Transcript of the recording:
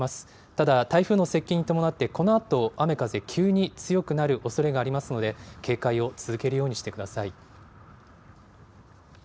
ただ、台風の接近に伴って、このあと雨風、急に強くなるおそれがありますので、警戒を続けるようにしてください。